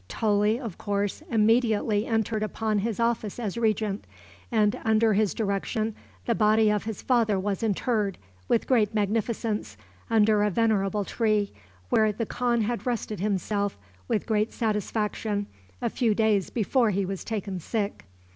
Toley, of course, immediately entered upon his office as regent, and under his direction the body of his father was interred, with great magnificence, under a venerable tree, where the khan had rested himself with great satisfaction a few days before he was taken sick.